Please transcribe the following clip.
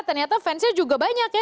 ternyata fans nya juga banyak ya